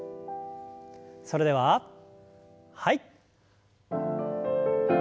それでははい。